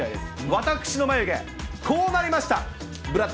私の眉毛、こうなりました。